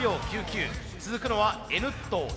続くのはＮットー